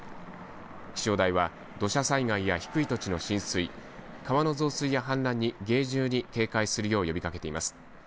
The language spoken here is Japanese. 気象台は土砂災害や低い土地の浸水、川の増水や氾濫に厳重に警戒するよう呼びかけています。